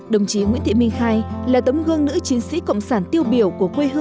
đồng chí nguyễn thị minh khai là tấm gương nữ chiến sĩ cộng sản tiêu biểu của quê hương